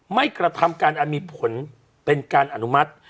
กระทำการอันมีผลเป็นการอนุมัติ